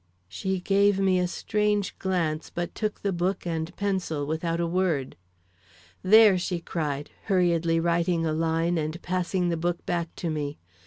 She gave me a strange glance but took the book and pencil without a word. "There!" she cried, hurriedly writing a line and passing the book back to me.